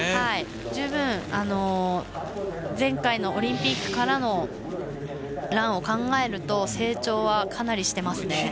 十分、前回のオリンピックからのランを考えると成長はかなりしていますね。